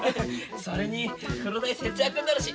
それに風呂代節約になるし。